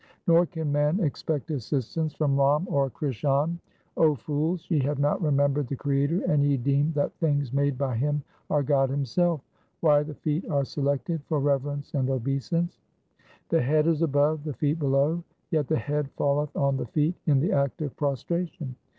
2 Nor can man expect assistance from Ram or Krishan :— O fools, ye have not remembered the Creator, and ye deem that things made by Him are God Himself. 3 Why the feet are selected for reverence and obeisance :— The head is above, the feet below, yet the head falleth on the feet in the act of prostration.